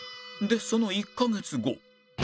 でその１カ月後